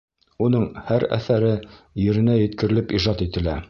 Уның һәр әҫәре еренә еткерелеп ижад ителә.